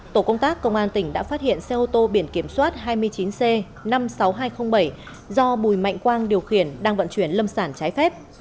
tổ công tác công an tỉnh đã phát hiện xe ô tô biển kiểm soát hai mươi chín c năm mươi sáu nghìn hai trăm linh bảy do bùi mạnh quang điều khiển đang vận chuyển lâm sản trái phép